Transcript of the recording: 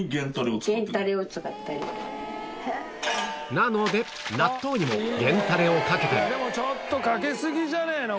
なので納豆にも源たれをかけたりでもちょっとかけすぎじゃねえの？